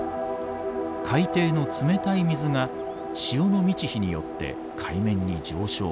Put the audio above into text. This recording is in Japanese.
海底の冷たい水が潮の満ち干によって海面に上昇。